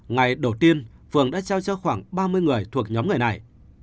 ngày đầu tiên phường đã trao cho khoảng ba mươi người thuộc nhóm người này